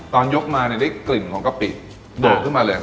ตอนยกมาได้กลิ่นของกะปิโดดขึ้นมาเลย